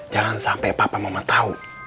jangan sampai papa mama tahu